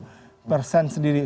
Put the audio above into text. yang sudah mencapai suku bunga